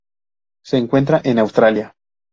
Se encuentra en Australia.